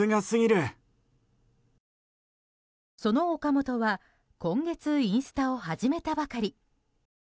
その岡本は今月インスタを始めたばかり。